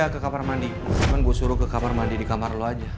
ke kamar mandi di kamar lo aja